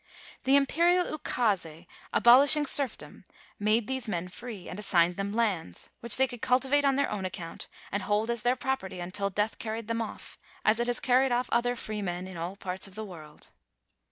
The imperial ukase abol ishing serfdom made these men free, and assigned them lands, which they could cultivate on their own account, and hold as their property until death carried them off, as it has carried off other freemen in all parts of the world.